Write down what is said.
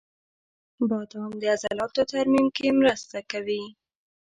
• بادام د عضلاتو ترمیم کې مرسته کوي.